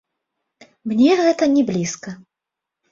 Мне гэта не блізка.